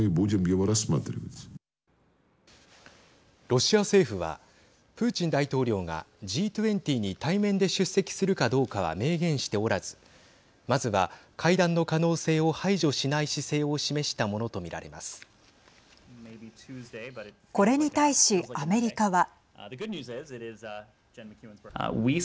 ロシア政府はプーチン大統領がＧ２０に対面で出席するかどうかは明言しておらずまずは会談の可能性を排除しない姿勢を示したものとこれに対しアメリカは。